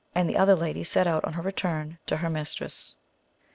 the other ladies, and set out on her return to her mistress.